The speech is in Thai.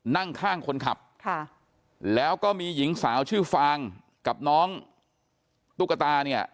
นั่งข้างคนขับค่ะแล้วก็มีหญิงสาวชื่อฟางกับน้องตุ๊กตาเนี่ย